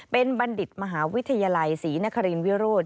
เป็นบัณฑิตมหาวิทยาลัยศรีนครินวิโรธ